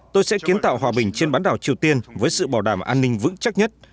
tôi sẽ kiến tạo hòa bình trên bán đảo triều tiên với sự bảo đảm an ninh vững chắc nhất